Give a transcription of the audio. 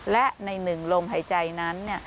และใน๑ลมหายใจนั้น